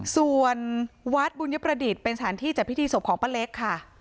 ส่วนวัดบุญยประดิษฐ์เป็นสถานที่จัดพิธีศพของป้าเล็กค่ะ